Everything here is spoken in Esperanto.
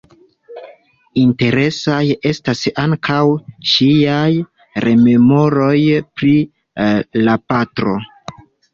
Interesaj estas ankaŭ ŝiaj rememoroj pri la patro.